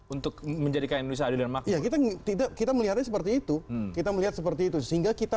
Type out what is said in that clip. untuk menjadi indonesia dan maksimal kita melihatnya seperti itu kita melihat seperti itu sehingga kita